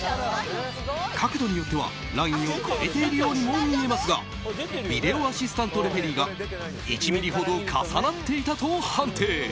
角度によっては、ラインを越えているようにも見えますがビデオアシスタントレフェリーが１ｍｍほど重なっていたと判定。